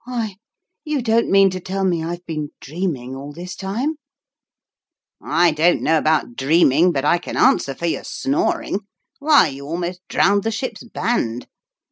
" Why, you don't mean to tell me I've been dreaming all this time ?"" I don't know about dreaming ; but I can answer for your snoring. Why, you almost drowned the ship's band